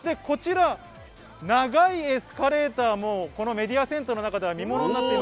こちら、長いエスカレーターもメディアセンターの中では見物です。